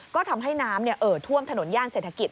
ก็ทำให้น้ำเอ่อท่วมถนนย่านเศรษฐกิจ